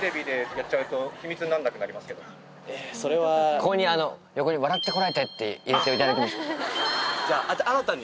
ここに横に『笑ってコラえて！』って入れていただけますか？